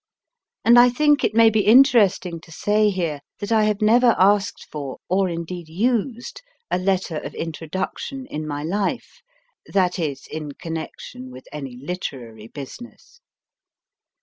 And I think it may be interesting to say here that I have never asked for, or indeed used, a letter of intro duction in my life that is, in connection with any literary business.